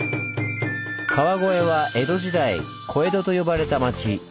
川越は江戸時代「小江戸」と呼ばれた町。